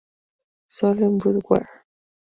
Solo en Brood War.